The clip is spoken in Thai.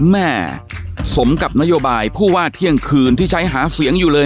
แม่สมกับนโยบายผู้ว่าเที่ยงคืนที่ใช้หาเสียงอยู่เลย